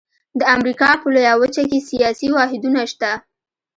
د امریکا په لویه وچه کې سیاسي واحدونه شته.